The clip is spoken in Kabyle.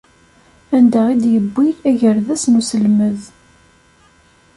Anda i d-yewwi agerdas n uselmed.